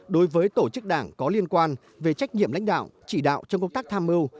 đối với tổ chức đảng có liên quan về trách nhiệm lãnh đạo chỉ đạo trong công tác tham mưu